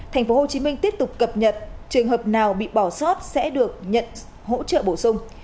tp hcm tiếp tục cập nhật trường hợp nào bị bỏ sót sẽ được nhận hỗ trợ bổ sung